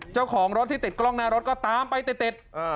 เจ้าของรถที่ติดกล้องหน้ารถก็ตามไปติด